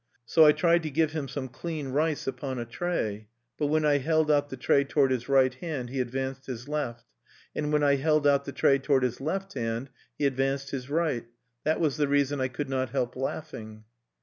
"So I tried to give him some clean rice upon a tray; but when I held out the tray toward his right hand, he advanced his left; and when I held out the tray toward his left hand, he advanced his right: that was the reason I could not help laughing."